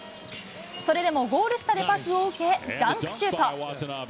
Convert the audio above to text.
それでもゴール下でパスを受け、ダンクシュート。